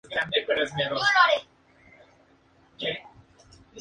Luchó en el asalto al Callao y en la defensa de Lima.